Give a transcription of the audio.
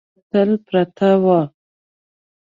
دا به تل پرته وه.